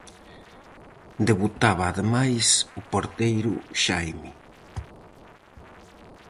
Debutaba ademais o porteiro Xaime.